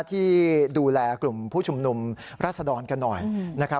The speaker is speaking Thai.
ที่ดูแลกลุ่มผู้ชุมนุมราชดรกันหน่อยนะครับ